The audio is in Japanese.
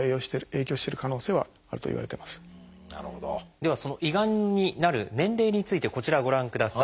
ではその胃がんになる年齢についてこちらをご覧ください。